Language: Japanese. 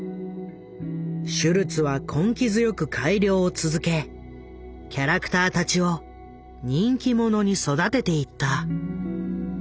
シュルツは根気強く改良を続けキャラクターたちを人気者に育てていった。